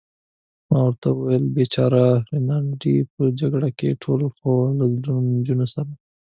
ما ورته وویل: بېچاره رینالډي، په جګړه کې ټول، خو له زړو نجونو سره.